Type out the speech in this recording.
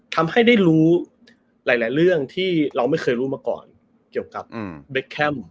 ทำให้ได้รู้หลายเรื่องที่เราไม่เคยรู้มาก่อนเกี่ยวกับเบคแคม